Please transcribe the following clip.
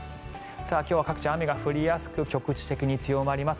今日は各地雨が降りやすく局地的に強まります。